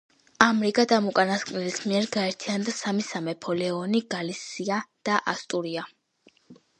ამრიგად ამ უკანასკნელის მიერ გაერთიანდა სამი სამეფო: ლეონი, გალისია და ასტურია.